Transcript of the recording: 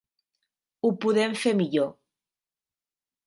Ho podem fer millor.